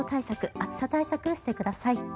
暑さ対策してください。